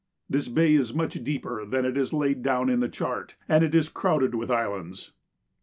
This bay is much deeper than it is laid down in the chart, and is crowded with islands.